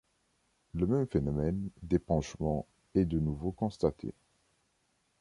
Le même phénomène d'épanchement est de nouveau constaté.